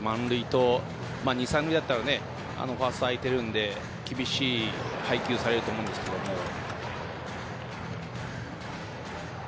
２、３塁だったらファーストが空いているので厳しい配球されると思うんですけども。